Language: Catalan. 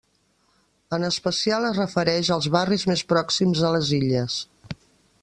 En especial es refereix als barris més pròxims a les illes.